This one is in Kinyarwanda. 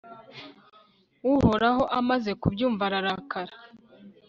uhoraho amaze kubyumva ararakara